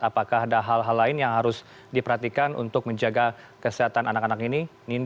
apakah ada hal hal lain yang harus diperhatikan untuk menjaga kesehatan anak anak ini